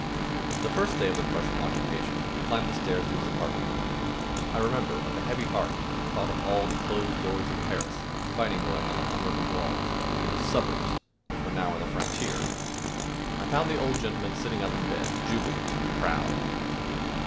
The first day of the Prussian occupation, I climbed the stairs to his apartment, I remember, with a heavy heart at the thought of all the closed doors of Paris and the fighting going on under her walls, in the suburbs which were now on the frontier. I found the old gentleman sitting up in bed jubilant and proud.